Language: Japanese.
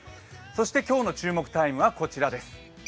そして今日の注目タイムはこちらです。